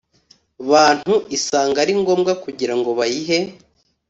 Bantu isanga ari ngombwa kugira ngo bayihe